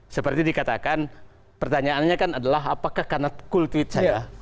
seperti dikatakan pertanyaannya kan adalah apakah karena kultuit saya